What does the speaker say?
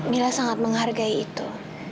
mila sangat menghargai itu